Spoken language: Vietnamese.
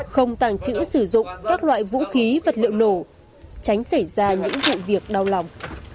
không tàng trữ sử dụng các loại vũ khí vật liệu nổ tránh xảy ra những vụ việc đau lòng